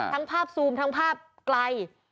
ภาพซูมทั้งภาพไกล